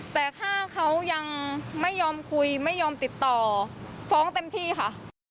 แต่ถ้าเขายังไม่ยอมคุยไม่ยอมติดต่อฟ้องเต็มที่ค่ะ